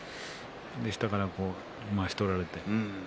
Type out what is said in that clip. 下からまわしを取られて。